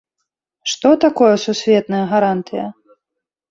Што такое сусветная гарантыя?